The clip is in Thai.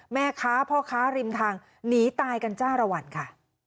แม่ค้าพ่อค้าริมทางหนีตายกันจ้าระวันค่ะ